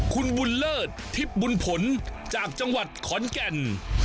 คุณบุญเลิศทิพย์บุญผลจากจังหวัดขอนแก่น